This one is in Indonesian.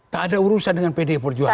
tak ada urusan dengan pdi perjuangan